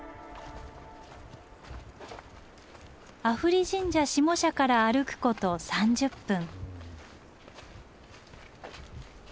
阿夫利神社下社から歩くこと３０分。